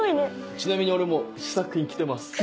ちなみに俺もう試作品着てます。